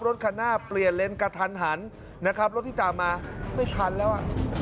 รถคันหน้าเปลี่ยนเลนกระทันหันนะครับรถที่ตามมาไม่ทันแล้วอ่ะ